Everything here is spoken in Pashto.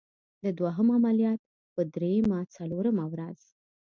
د دوهم عملیات په دریمه څلورمه ورځ.